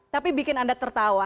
tapi bikin anda tertawa